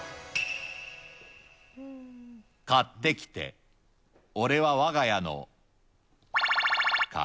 買ってきて俺は我が家の×××か。